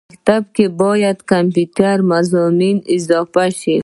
مکتب کښې باید کمپیوټر مضمون اضافه شي